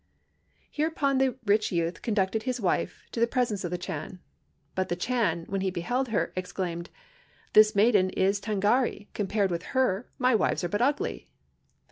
"Hereupon the rich youth conducted his wife to the presence of the Chan; but the Chan, when he beheld her, exclaimed, 'This maiden is a Tângâri, compared with her, my wives are but ugly.'